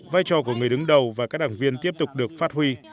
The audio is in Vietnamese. vai trò của người đứng đầu và các đảng viên tiếp tục được phát huy